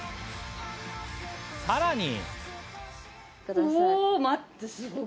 さらに。